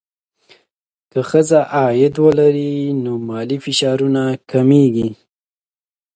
که ښځه عاید ولري، نو مالي فشار کمېږي.